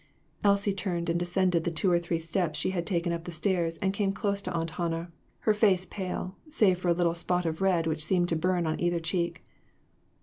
Elsie turned and descended the two or three steps she had taken up the stairs, and came close to Aunt Hannah, her face pale, save for a little spot of red which seemed to burn on either cheek.